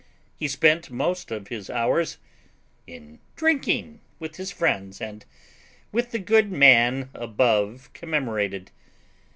He spent most of his hours in drinking with his friends and with the good man above commemorated.